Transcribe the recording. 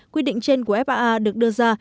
quy định trên của faa được đưa ra